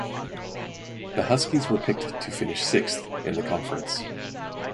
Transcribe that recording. The Huskies were picked to finish sixth in the conference.